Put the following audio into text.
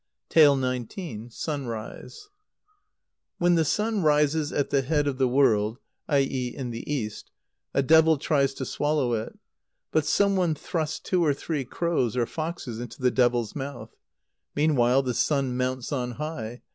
Sunrise. When the sun rises at the head of the world [i.e. in the east], a devil tries to swallow it. But some one thrusts two or three crows or foxes into the devil's mouth. Meanwhile the sun mounts on high.